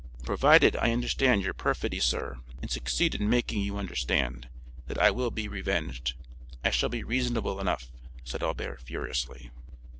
"Provided I understand your perfidy, sir, and succeed in making you understand that I will be revenged, I shall be reasonable enough," said Albert furiously.